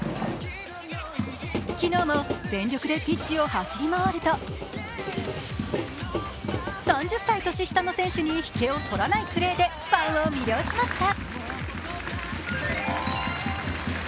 昨日も全力でピッチを走り回ると３０歳年下の選手に引けをとらないプレーでファンを魅了しました。